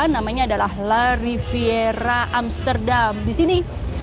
namanya adalah la riviera amsterdam di sini